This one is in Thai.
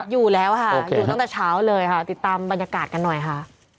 อยู่แล้วค่ะอยู่ตั้งแต่เช้าเลยค่ะติดตามบรรยากาศกันหน่อยค่ะ